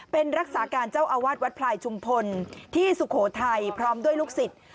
เป็นรักษาการเจ้าอาวาสวัดพลายชุมพลที่สุโขทัยพร้อมด้วยลูกศิษย์